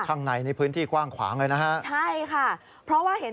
ข้างในนี่พื้นที่กว้างขวางเลยนะฮะใช่ค่ะเพราะว่าเห็น